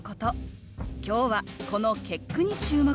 今日はこの結句に注目です